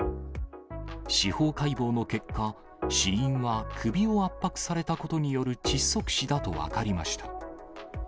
司法解剖の結果、死因は首を圧迫されたことによる窒息死だと分かりました。